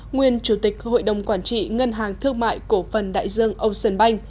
nguyên chủ tịch hội đồng quản trị ngân hàng thương mại cổ phần đại dương ocean bank